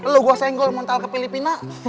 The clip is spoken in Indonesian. lu gua senggol muntah ke filipina